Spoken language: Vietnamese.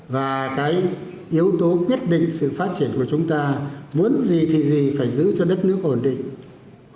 và cái yếu tố quyết định sự phát triển của chúng ta muốn gì thì gì phải giữ cho đất nước ổn định